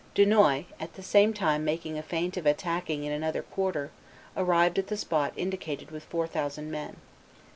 Dunois, at the same time making a feint of attacking in another quarter, arrived at the spot indicated with four thousand men.